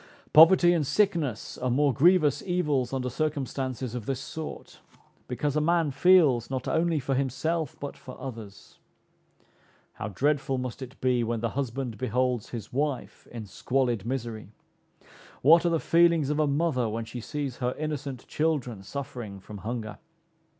Poverty and sickness are more grievous evils under circumstances of this sort; because a man feels not only for himself, but for others. How dreadful must it be when the husband beholds his wife in squalid misery. What are the feelings of a mother when she sees her innocent children suffering from hunger!